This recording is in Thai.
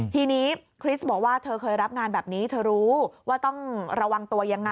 ทีนี้คริสบอกว่าเธอเคยรับงานแบบนี้เธอรู้ว่าต้องระวังตัวยังไง